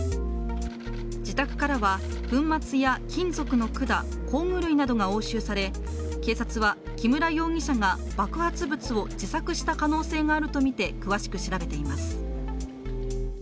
自宅からは粉末や金属の管、工具類などが押収され警察は木村容疑者が爆発物を自作した可能性があるとみて詳しく調べています。